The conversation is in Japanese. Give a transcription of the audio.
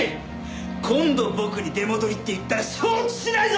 今度僕に「出戻り」って言ったら承知しないぞ！